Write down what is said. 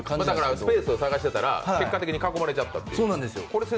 スペースを探してたら結果的に囲まれちゃったっていう。